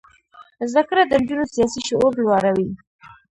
زده کړه د نجونو سیاسي شعور لوړوي.